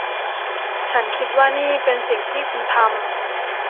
ฉันคิดว่านี่เป็นสิ่งที่คุณทำ